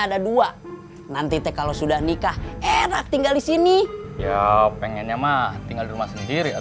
ada dua nanti teh kalau sudah nikah enak tinggal di sini ya pengennya mah tinggal di rumah sendiri